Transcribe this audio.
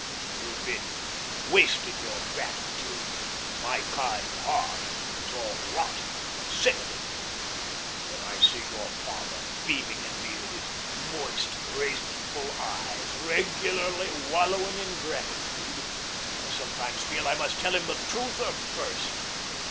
You've been wasting your gratitude: my kind heart is all rot. I'm sick of it. When I see your father beaming at me with his moist, grateful eyes, regularly wallowing in gratitude, I sometimes feel I must tell him the truth or burst.